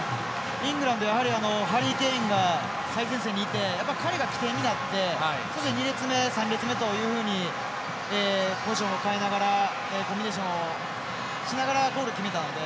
イングランドやはりハリー・ケインが最前線にいて、彼が起点になってそして２列目、３列目というふうにポジションを変えながらコンビネーションをしながらゴールを決めたので。